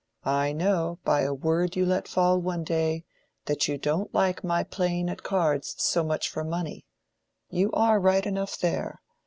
I know, by a word you let fall one day, that you don't like my playing at cards so much for money. You are right enough there.